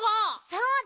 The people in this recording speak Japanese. そうだ。